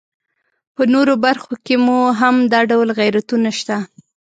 په نورو برخو کې مو هم دا ډول غیرتونه شته.